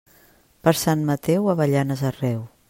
Per Sant Mateu, avellanes arreu.